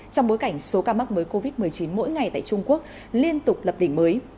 trong bối cảnh số ca mắc mới covid một mươi chín mỗi ngày tại trung quốc liên tục lập đỉnh mới